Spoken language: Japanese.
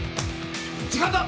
時間だ！